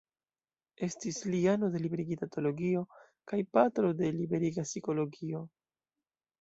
Estis li ano de Liberiga Teologio kaj patro de Liberiga Psikologio.